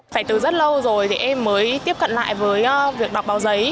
phải từ rất lâu rồi thì em mới tiếp cận lại với việc đọc báo giấy